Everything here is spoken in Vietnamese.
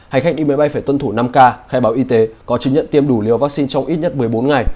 hành khách đi máy bay phải tuân thủ năm k khai báo y tế có chứng nhận tiêm đủ liều vaccine trong ít nhất một mươi bốn ngày